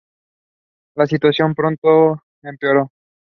La situación pronto empeoró.